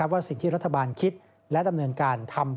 ว่าสิ่งที่รัฐบาลคิดและดำเนินการทำ